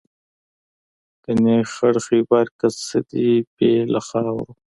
ګنې خړ خیبر کې څه دي بې له خاورو.